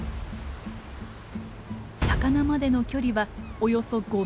魚までの距離はおよそ５メートル。